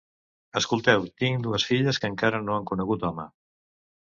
Escolteu: tinc dues filles que encara no han conegut home.